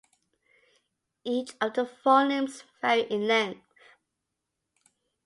Each of the volumes vary in length.